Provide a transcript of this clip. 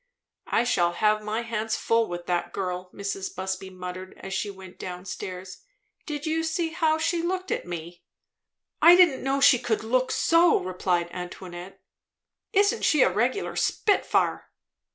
"I shall have my hands full with that girl," Mrs. Busby muttered as she went down stairs. "Did you see how she looked at me?" "I didn't know she could look so," replied Antoinette. "Isn't she a regular spitfire?"